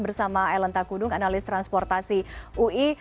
bersama ellen takudung analis transportasi ui